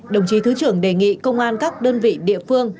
đồng chí thứ trưởng đề nghị công an các đơn vị địa phương